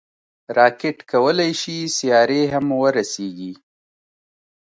راکټ کولی شي سیارې هم ورسیږي